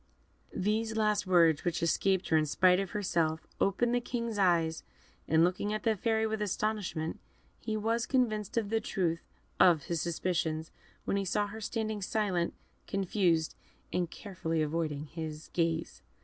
These last words, which escaped her in spite of herself, opened the King's eyes, and looking at the Fairy with astonishment, he was convinced of the truth of his suspicions when he saw her standing silent, confused, and carefully avoiding his gaze.